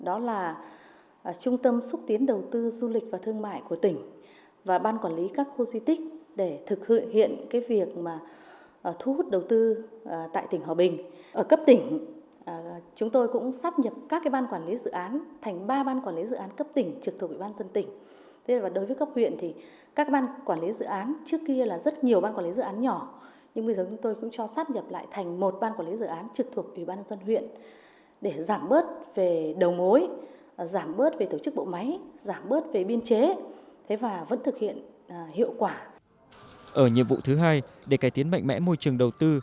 ở nhiệm vụ thứ hai để cải tiến mạnh mẽ môi trường đầu tư